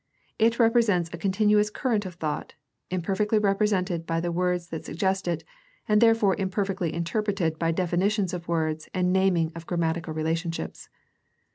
It represents a continuous current of thought, imperfectly represented by the words that suggest it and therefore imperfectly interpreted by definitions of words and naming of grammatical relationships.